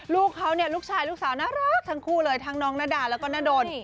ลูกเขาเนี่ยลูกชายลูกสาวน่ารักทั้งคู่เลยทั้งน้องนาดาแล้วก็นาดน